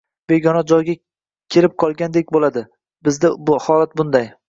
– begona joyga kelib qolgandek bo‘ladi. Bizda holat qanday?